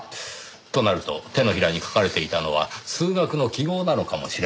となると手のひらに書かれていたのは数学の記号なのかもしれません。